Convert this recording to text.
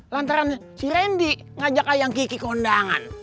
lantaran si randy ngajak ayang kiki ke undangan